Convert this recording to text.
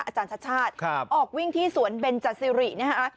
อาจารย์ชาติชาติออกวิ่งที่สวนเบนจสิรินะคะ